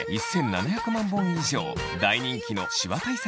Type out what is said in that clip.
大人気のしわ対策